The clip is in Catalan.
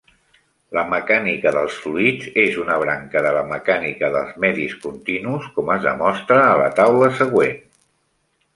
La mecànica dels fluids és una branca de la mecànica dels medis continus, com es demostra a la taula següent.